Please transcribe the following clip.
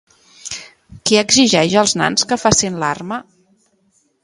Qui exigeix als nans que facin l'arma?